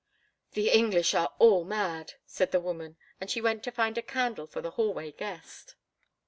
"The English are all mad," said the woman, and she went to find a candle for the hallway guest.